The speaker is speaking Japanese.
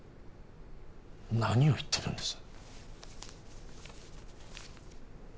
何を言ってるんです？